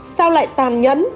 sao lại tàn nhẫn